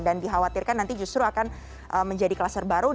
dan dikhawatirkan nanti justru akan menjadi kelaser baru